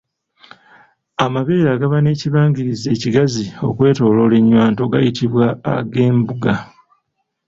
Amabeere agaba n’ekibangirizi ekigazi okwetooloola ennywanto gayitibwa ag’embuga.